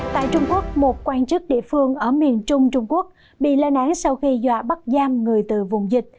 tại trung quốc một quan chức địa phương ở miền trung trung quốc bị lên án sau khi dọa bắt giam người từ vùng dịch